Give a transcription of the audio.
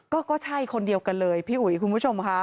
ก็ใช่คนเดียวกันเลยพี่อุ๋ยคุณผู้ชมค่ะ